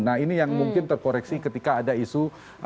nah ini yang mungkin terkoreksi ketika ada isu